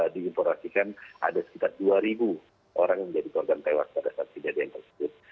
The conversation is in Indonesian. diinformasikan ada sekitar dua orang yang menjadi korban tewas pada saat kejadian tersebut